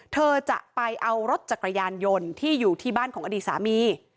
เธอจะไปเอารถจักรยานยนต์ที่อยู่ที่บ้านของอดีตสามี